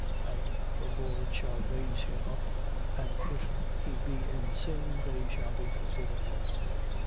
And the Lord shall raise him up: and if he be in sins, they shall be forgiven him.